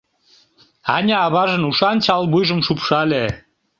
Аня аважын ушан чал вуйжым шупшале.